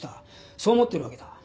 そう思ってるわけだ。